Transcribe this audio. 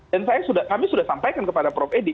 dan kami sudah sampaikan kepada prof edi